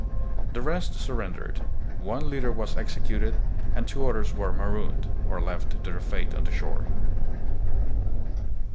The rest sur rendered; one leader was executed and two others were " marooned," or left to their fate on the shore.